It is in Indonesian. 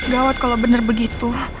gawat kalau bener begitu